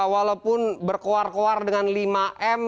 walaupun berkuar kuar dengan lima m